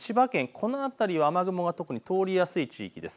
この辺りは特に雨雲が通りやすい地域です。